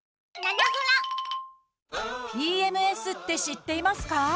ＰＭＳって知っていますか？